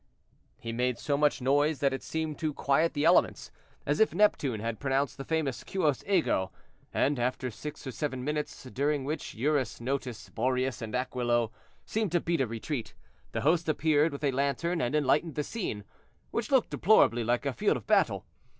He made so much noise that it seemed to quiet the elements, as if Neptune had pronounced the famous Quos ego, and, after six or seven minutes, during which Eurus, Notus, Boreas and Aquilo seemed to beat a retreat, the host appeared with a lantern and enlightened the scene, which looked deplorably like a field of battle.